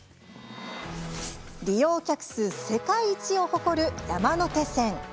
利用客数、世界一を誇る山手線。